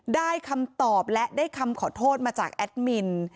ได้คำตอบและได้คำขอโทษมาจากแอดมิน